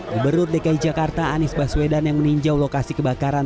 gubernur dki jakarta anies baswedan yang meninjau lokasi kebakaran